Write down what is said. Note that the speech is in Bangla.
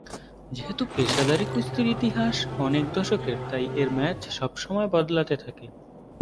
যেহেতু পেশাদারি কুস্তির ইতিহাস অনেক দশকের তাই এর ম্যাচ সবসময় বদলাতে থাকে।